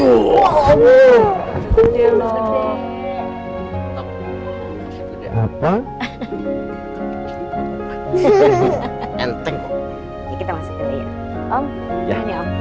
yuk peluk lagi opanya